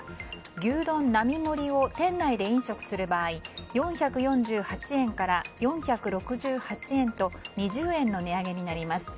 牛丼並盛を店内で飲食する場合４４８円から４６８円と２０円の値上げになります。